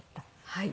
はい。